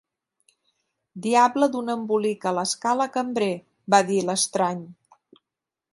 "Diable d'un embolic a l'escala, cambrer", va dir l'estrany.